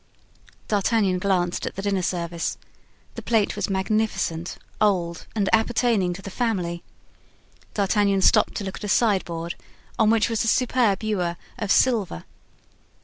D'Artagnan glanced at the dinner service. The plate was magnificent, old, and appertaining to the family. D'Artagnan stopped to look at a sideboard on which was a superb ewer of silver.